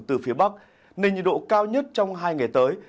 từ phía bắc nền nhiệt độ cao nhất trong hai ngày tới